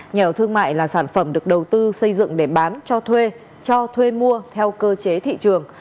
nhà ở thương mại là sản phẩm được đầu tư xây dựng để bán cho thuê cho thuê mua theo cơ chế thị trường